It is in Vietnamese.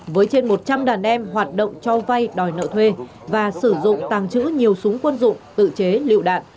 với trên một trăm linh đàn em hoạt động cho vay đòi nợ thuê và sử dụng tàng trữ nhiều súng quân dụng tự chế lựu đạn